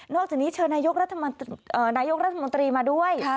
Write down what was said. อกจากนี้เชิญนายกรัฐมนตรีมาด้วย